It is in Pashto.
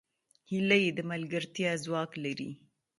هیلۍ د ملګرتیا ځواک لري